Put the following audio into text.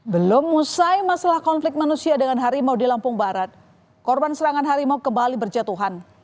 belum usai masalah konflik manusia dengan harimau di lampung barat korban serangan harimau kembali berjatuhan